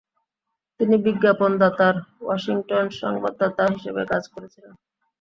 তিনি বিজ্ঞাপনদাতার ওয়াশিংটন সংবাদদাতা হিসাবে কাজ করেছিলেন।